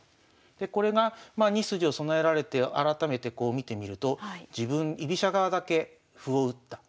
これが２筋を備えられて改めてこう見てみると自分居飛車側だけ歩を打った。